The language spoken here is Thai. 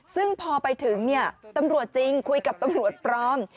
ซึ่งพอไปถึงตำรวจจริงคุยกับตำรวจพร้อม